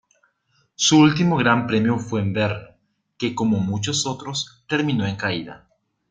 Su último Gran Premio fue en Brno, que como muchos otros, terminó en caída.